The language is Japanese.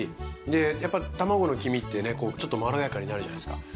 でやっぱ卵の黄身ってねこうちょっとまろやかになるじゃないですか。